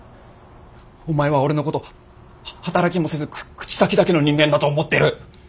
お前は俺のことは働きもせず口先だけの人間だと思ってる。